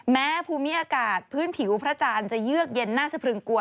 แม้ภูมิอากาศพื้นผิวพระจารย์จะเยือกเย็นน่าสะพรึงกลัว